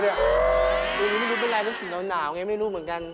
เดี๋ยวนี้ไม่รู้เป็นอย่างไรต้องสิเนิ่นอ่อนหนาวไงไม่รู้เหมือนกัน